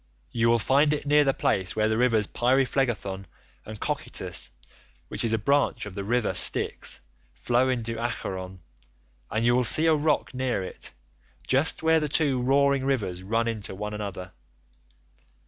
You will find it near the place where the rivers Pyriphlegethon and Cocytus (which is a branch of the river Styx) flow into Acheron, and you will see a rock near it, just where the two roaring rivers run into one another.